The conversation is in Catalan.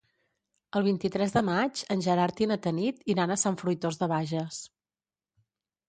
El vint-i-tres de maig en Gerard i na Tanit iran a Sant Fruitós de Bages.